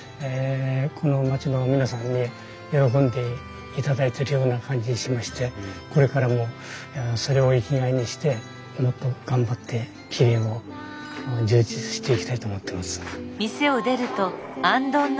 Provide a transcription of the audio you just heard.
この町の皆さんに喜んでいただいてるような感じしましてこれからもそれを生きがいにしてもっと頑張って切り絵も充実していきたいと思ってます。